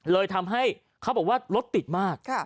เลยทำให้เขาบอกว่ารถติดมาก